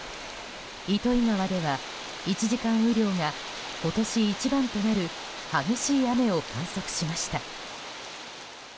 糸魚川では１時間雨量が今年一番となる激しい雨を観測しました。